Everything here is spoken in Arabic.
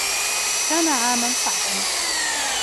كان عاما صعبا